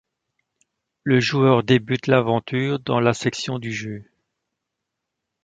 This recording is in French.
Le joueur débute l’aventure dans la section du jeu.